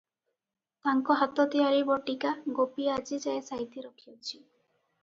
ତାଙ୍କ ହାତ ତିଆରି ବଟିକା ଗୋପୀ ଆଜିଯାଏ ସାଇତି ରଖିଅଛି ।